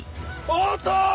おっと！